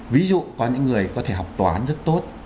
ví dụ có những người có thể học toán rất tốt